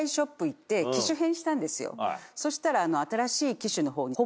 そしたら。